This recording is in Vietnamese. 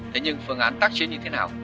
thế nhưng phương án tác chiến như thế nào